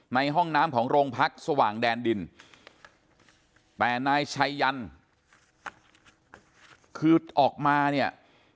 ในห้องน้ำของโรงพักสว่างแดนดินแต่นายชัยยันคือออกมาเนี่ย